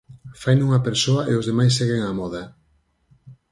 Faino unha persoa e os demais seguen a moda.